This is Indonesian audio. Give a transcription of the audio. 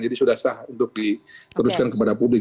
jadi sudah sah untuk diteruskan kepada publik